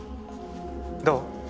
どう？